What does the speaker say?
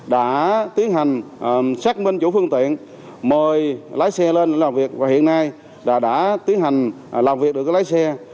đã tiến hành xác minh chủ phương tiện mời lái xe lên làm việc và hiện nay đã tiến hành làm việc được lái xe